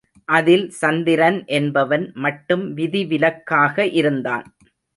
அதில் சந்திரன் என்பவன் மட்டும் விதிவிலக்காக இருந்தான்.